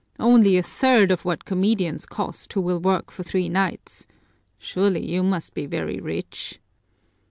Only a third of what comedians cost, who will work for three nights! Surely you must be very rich!"